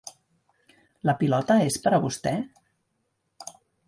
La pilota és per a vostè?